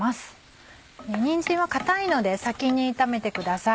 にんじんは硬いので先に炒めてください。